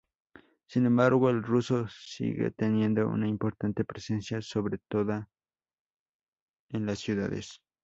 Sin embargo el ruso sigue teniendo una importante presencia, sobre todo en las ciudades.